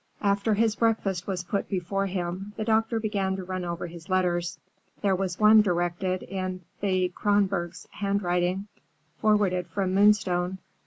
After his breakfast was put before him, the doctor began to run over his letters. There was one directed in Thea Kronborg's handwriting, forwarded from Moonstone.